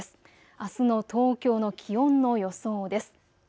あすの東京の気温の予想です。